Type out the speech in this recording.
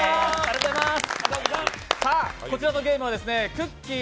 こちらのゲームはくっきー！